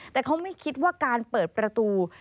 แต่เขาไม่คิดว่าการเปิดประตู